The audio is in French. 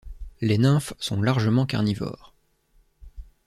Les nymphes sont largement carnivores.